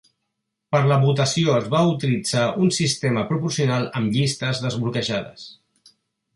Per la votació es va utilitzar un sistema proporcional amb llistes desbloquejades.